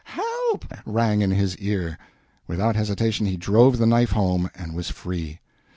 help!" rang in his ear. Without hesitation he drove the knife home and was free.